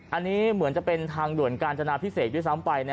อันนี้เหมือนจะเป็นทางด่วนกาญจนาพิเศษด้วยซ้ำไป